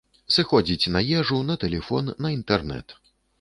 Сыходзіць на ежу, на тэлефон, на інтэрнэт.